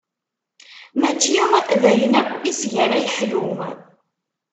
Mačči d ayen akk iseg ara yeḥlu.